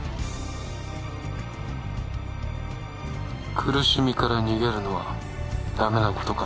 苦しみから逃げるのはダメなことか？